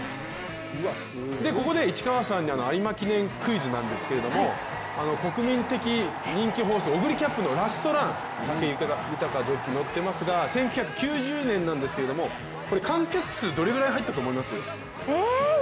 ここで市川さんに有馬記念クイズなんですけど国民的人気ホース、オグリキャップのラストラン、武豊ジョッキー乗ってますが１９９０年なんですけど、観客数、どれぐらい入ったと思います？